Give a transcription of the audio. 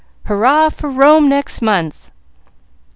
Hurrah for Rome, next month!"